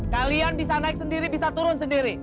kalian bisa naik sendiri bisa turun sendiri